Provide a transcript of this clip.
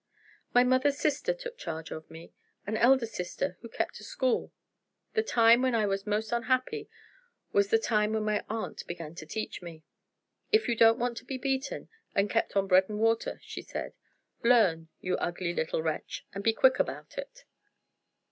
"My mother's sister took charge of me, an elder sister, who kept a school. The time when I was most unhappy was the time when my aunt began to teach me. 'If you don't want to be beaten, and kept on bread and water,' she said, 'learn, you ugly little wretch, and be quick about it."